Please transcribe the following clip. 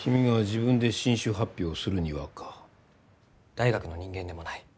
大学の人間でもない。